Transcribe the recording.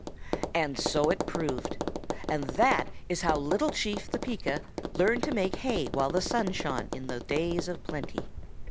"And so it proved. And that is how Little Chief the Pika learned to make hay while the sun shone in the days of plenty.